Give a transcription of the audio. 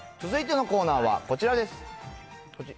続いてのコーナーはこちらです。